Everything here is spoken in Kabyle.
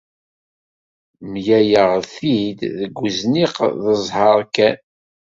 Mlaleɣ-t-id deg wezniq d zzheṛ kan.